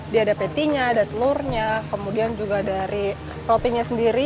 dia ada patty nya ada telurnya kemudian juga dari rotinya sendiri